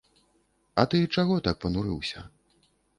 А ты чаго так панурыўся?